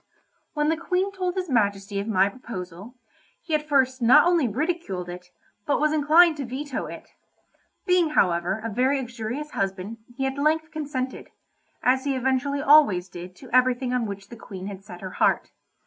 When the Queen told his Majesty of my proposal, he at first not only ridiculed it, but was inclined to veto it. Being, however, a very uxorious husband, he at length consented—as he eventually always did to everything on which the Queen had set her heart.